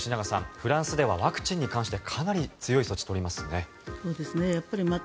フランスではワクチンに関してかなり強い措置を取りますね。